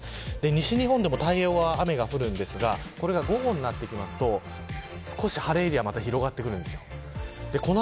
西日本でも太平洋側は雨が降るんですが午後になってきますと少し晴れエリアが広がってきます。